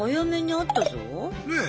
ねえ！